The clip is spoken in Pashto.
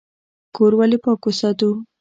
کور ولې پاک وساتو؟